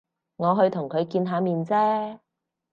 我去同佢見下面啫